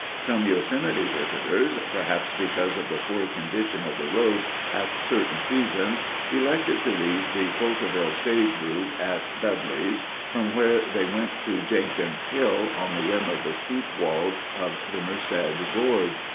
Some Yosemite visitors, perhaps because of the poor condition of the roads at certain seasons, elected to leave the Coulterville stage route at Dudley's, from where they went to Jenkins Hill on the rim of the steep walls of the Merced gorge.